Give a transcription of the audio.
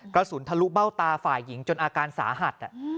กระสุนทะลุเบ้าตาฝ่ายหญิงจนอาการสาหัส